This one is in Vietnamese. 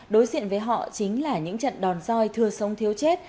đối diện với họ chính là những trận đòn roi thưa sống thiếu chết